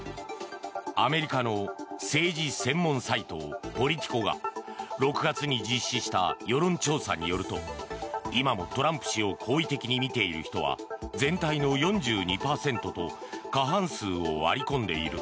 アメリカの政治専門サイトポリティコが６月に実施した世論調査によると今もトランプ氏を好意的に見ている人は全体の４２％と過半数を割り込んでいる。